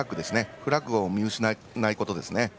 フラッグを見失わないことですね。